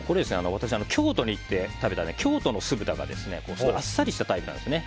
私が京都に行って食べた酢豚があっさりしたタイプなんですね。